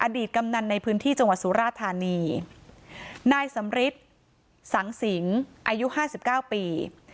อดีตกำนันในพื้นที่จังหวัดสุราธารณีนายสำริษฐ์สังสิงห์อายุ๕๙ปี